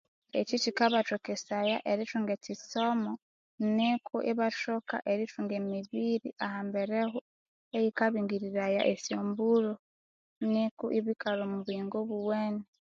Ekikikabathokesaya erithunga ekisomo nikwa ibathoka erithunga emibiri ahambereho iyikabingiriraya esyambulhu Nikon inikalha omubuyingo obuwene